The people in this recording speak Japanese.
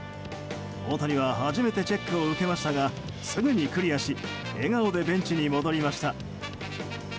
大谷は初めてチェックを受けましたが、すぐにクリアし笑顔でベンチに戻りました。